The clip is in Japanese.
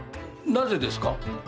なぜですか？